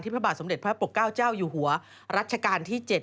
พระบาทสมเด็จพระปกเก้าเจ้าอยู่หัวรัชกาลที่๗